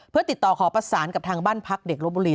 เพื่อติดต่อขอประสานกับทางบ้านพักเด็กลบบุรี